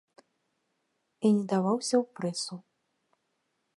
І не даваўся ў прэсу.